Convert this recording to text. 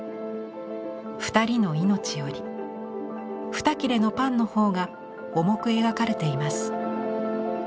二人の命より二切れのパンの方が重く描かれています。